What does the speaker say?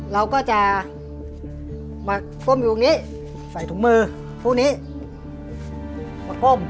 เราก็จะมาก้มอยู่ตรงนี้ใส่ถุงมือพวกนี้มาก้ม